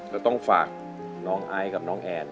ก็ต้องฝากน้องไอซ์กับน้องแอน